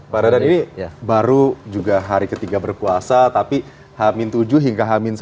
pak raden ini baru juga hari ketiga berpuasa tapi hamin tujuh hingga h satu